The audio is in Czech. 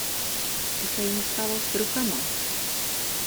Co se jí stalo s rukama?